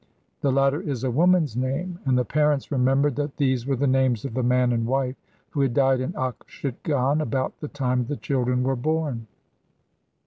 The latter is a woman's name, and the parents remembered that these were the names of the man and wife who had died in Okshitgon about the time the children were born.